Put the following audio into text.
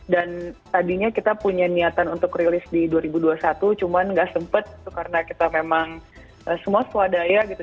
dan tadinya kita punya niatan untuk rilis di dua ribu dua puluh satu cuman gak sempet karena kita memang semua swadaya gitu